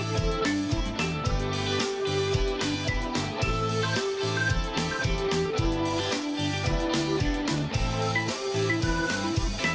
โปรดติดตามตอนต่อไป